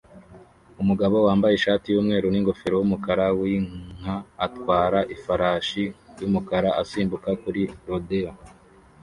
Umugabo wambaye ishati yumweru ningofero yumukara winka atwara ifarashi yumukara isimbuka kuri rodeo